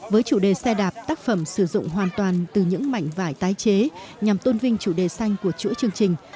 với chủ đề xe đạp tác phẩm sử dụng hoàn toàn từ những mảnh vải tái chế nhằm tôn vinh chủ đề xanh của chuỗi chương trình